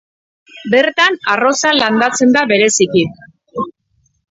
Bertan, arroza landatzen da bereziki.